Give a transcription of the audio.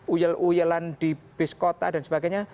uyal uyalan di biskota dan sebagainya